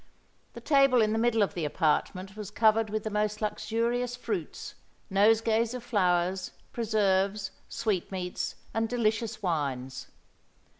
The table in the middle of the apartment was covered with the most luxurious fruits, nosegays of flowers, preserves, sweetmeats, and delicious wines.